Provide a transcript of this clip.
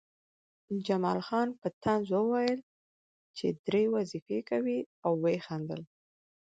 جمال خان په طنز وویل چې درې وظیفې کوې او ویې خندل